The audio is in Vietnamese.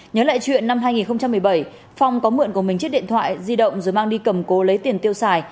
nhớ lại chuyện năm hai nghìn một mươi bảy phong có mượn của mình chiếc điện thoại di động rồi mang đi cầm cố lấy tiền tiêu xài